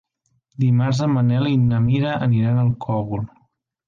Dimarts en Manel i na Mira aniran al Cogul.